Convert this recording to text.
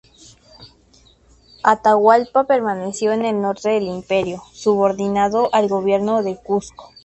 Atahualpa permaneció en el norte del imperio, subordinado al gobierno del Cuzco.